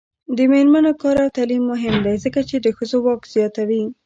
د میرمنو کار او تعلیم مهم دی ځکه چې ښځو واک زیاتوي.